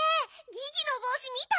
ギギのぼうし見た？